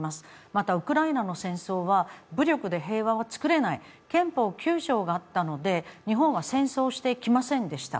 また、ウクライナの戦争は武力で平和を作れない、憲法９条があったので日本は戦争をしてきませんでした。